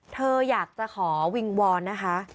เธออยากจะขอวิงวอนนะคะ